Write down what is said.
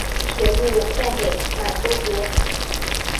并将中东铁路卖给满洲国。